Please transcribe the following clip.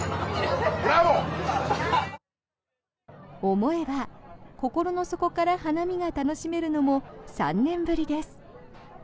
思えば、心の底から花見が楽しめるのも３年ぶりです。